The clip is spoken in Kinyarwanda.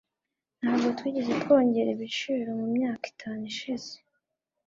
Ntabwo twigeze twongera ibiciro mumyaka itanu ishize.